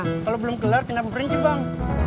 ya kan saya belum kelar kenapa berinci bang